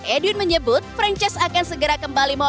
edwin menyebut franchise akan segera kembali